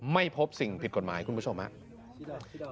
ไม่พบสิ่งผิดกฎหมายคุณผู้ชมครับ